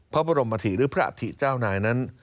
พระบรมฐีหรือพระอาถิเจ้านายนั้น